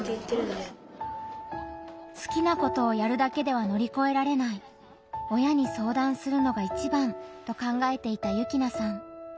好きなことをやるだけでは乗り越えられない親に相談するのがいちばんと考えていた幸那さん。